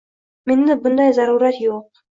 Menda bunday zarurat yoʻq.